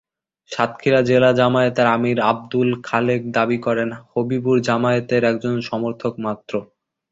সাতক্ষীরা জেলা জামায়াতের আমির আবদুল খালেক দাবি করেন, হবিবুর জামায়াতের একজন সমর্থক মাত্র।